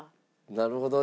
なるほど。